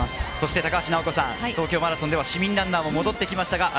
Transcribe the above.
高橋尚子さん、東京マラソンでは市民ランナーも戻ってきました。